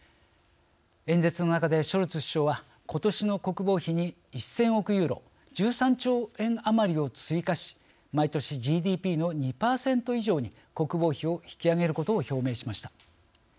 演説の中でショルツ首相はことしの国防費に１０００億ユーロ１３兆円余りを追加し毎年ＧＤＰの２％以上に国防費を引き上げることを表明しました。